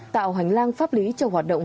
tạo hành lang pháp lý cho hoạt động